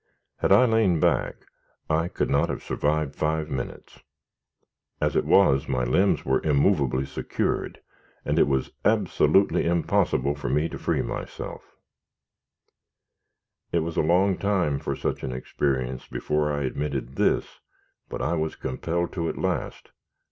Had I lain back I could not have survived five minutes; as it was, my limbs were immovably secured, and it was absolutely impossible for me to free myself. It was a long time, for such an experience, before I admitted this, but I was compelled to at last.